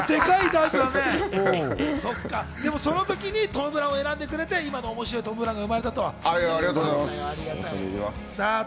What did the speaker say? そのときにトム・ブラウンを選んでくれて今の面白いトム・ブラウンが生まれたと。